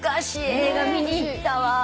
映画見に行ったわ。